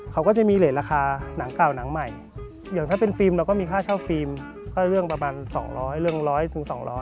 เขาก็จะมีเหรสราคาหนังเก่าหนังใหม่อย่างถ้าเป็นฟิล์มเราก็มีค่าเช่าฟิล์มก็เรื่องประมาณ๒๐๐เรื่อง๑๐๐๒๐๐